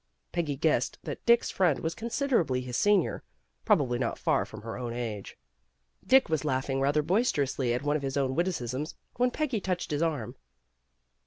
Peggy guessed THE CURE 219 that Dick's friend was considerably his senior, probably not far from her own age. Dick was laughing rather boisterously at one of his own witticisms, when Peggy touched his arm.